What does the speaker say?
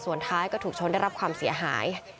ส่วนท้ายก็ถูกชนได้รับความเสียหาย